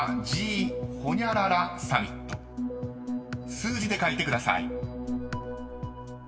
［数字で書いてください］